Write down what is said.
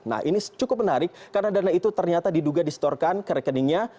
nah ini cukup menarik karena dana itu ternyata diduga disetorkan ke rekeningnya